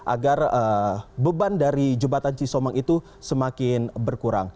agar beban dari jembatan cisomang itu semakin berkurang